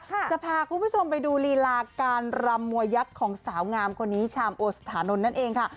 จะพาคุณผู้ชมไปดูลีลาการรำมวยยักษ์ของสาวงามคนนี้ชามโอสถานนท์นั่นเองค่ะ